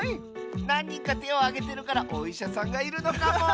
なんにんかてをあげてるからおいしゃさんがいるのかも！